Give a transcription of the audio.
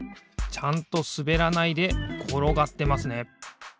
ちゃんとすべらないでころがってますね。